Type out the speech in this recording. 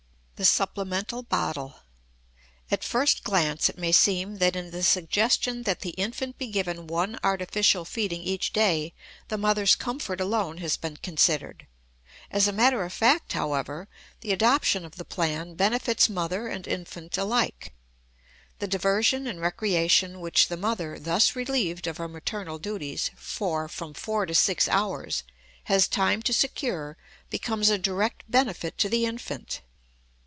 THE SUPPLEMENTARY BOTTLE. At first glance it may seem that in the suggestion that the infant be given one artificial feeding each day the mother's comfort alone has been considered. As a matter of fact, however, the adoption of the plan benefits mother and infant alike. The diversion and recreation which the mother, thus relieved of her maternal duties for from four to six hours, has time to secure becomes a direct benefit to the infant.